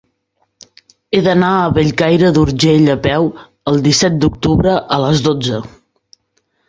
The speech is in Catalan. He d'anar a Bellcaire d'Urgell a peu el disset d'octubre a les dotze.